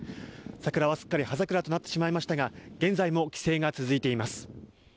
桜はすっかり葉桜となってしまいましたが現在も規制が続いています。